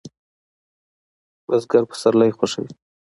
بزګر پسرلی خوښوي